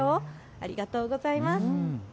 ありがとうございます。